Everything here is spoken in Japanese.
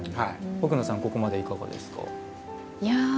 奥野さん、ここまでいかがですか。